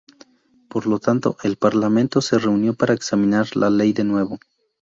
Por lo tanto, el Parlamento se reunió para examinar la ley de nuevo.